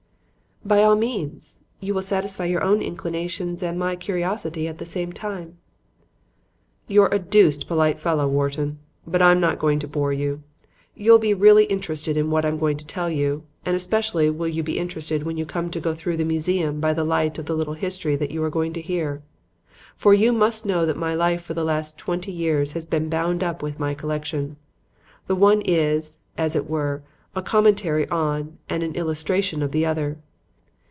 "By all means. You will satisfy your own inclinations and my curiosity at the same time." "You're a deuced polite fellow, Wharton. But I'm not going to bore you. You'll be really interested in what I'm going to tell you; and especially will you be interested when you come to go through the museum by the light of the little history that you are going to hear. For you must know that my life for the last twenty years has been bound up with my collection. The one is, as it were, a commentary on and an illustration of the other.